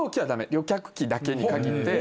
旅客機だけに限って。